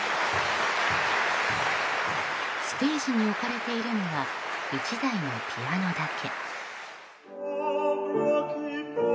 ステージに置かれているのは１台のピアノだけ。